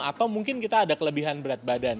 atau mungkin kita ada kelebihan berat badan